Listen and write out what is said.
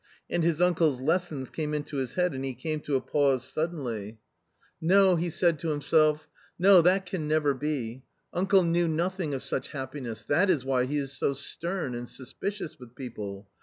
And his uncle's lessons came into his head, and he came to a pause suddenly. 96 A COMMON STORY " No," he said to himself, " no, that can never be ! uncle knew nothing of such happiness, that is why he is so stern and suspicious with people.